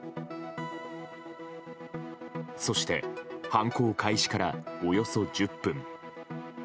そして犯行開始からおよそ１０分。